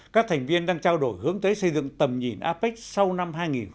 các thành viên đang trao đổi hướng tới xây dựng tầm nhìn apec sau năm hai nghìn hai mươi